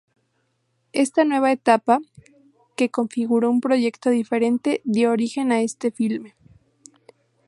Esta nueva etapa, que configuró un proyecto diferente dio origen a este filme.